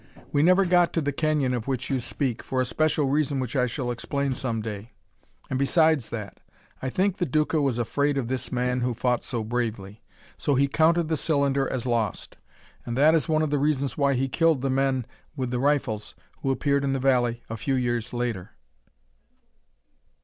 "We never got to the canyon of which you speak, for a special reason which I shall explain some day. And besides that, I think the Duca was afraid of this man who fought so bravely. So he counted the cylinder as lost. And that is one of the reasons why he killed the men with the rifles, who appeared in the Valley a few years later."